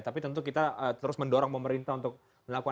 tapi tentu kita terus mendorong pemerintah untuk melakukan